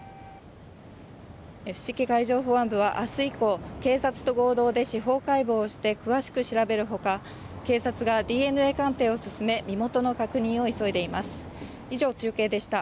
伏木海上保安部は明日以降、警察と合同で司法解剖をして詳しく調べる他、警察がＤＮＡ鑑定を進め、身元の確認を急いでいます。